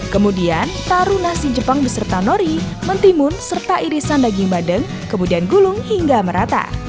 kemudian taruh nasi jepang beserta nori mentimun serta irisan daging bandeng kemudian gulung hingga merata